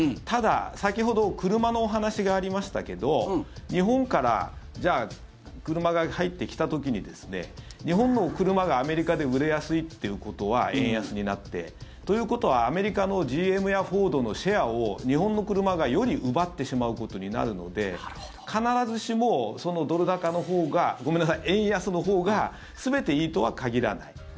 ただ、先ほど車のお話がありましたけど日本から車が入ってきた時に日本の車がアメリカで売れやすいということは円安になって。ということは、アメリカのＧＭやフォードのシェアを日本の車がより奪ってしまうことになるので必ずしもドル高のほうがごめんなさい、円安のほうが全ていいとは限らない。